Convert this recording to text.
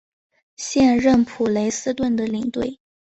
现任普雷斯顿的领队。